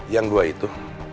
yang dua itu